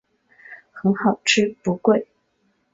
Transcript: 很好吃不贵